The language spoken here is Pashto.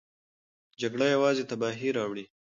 جګړه یوازې تباهي راوړي.